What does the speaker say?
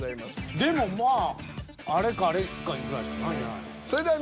でもまああれかあれかぐらいしかないんじゃないの？